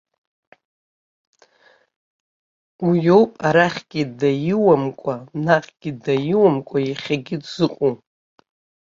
Уи ауп арахьгьы даиуамкәа наҟгьы даиуамкәа иахьагьы дзыҟоу.